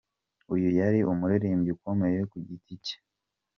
Uyu yari umuririmbyi ukomeye ku giti cye.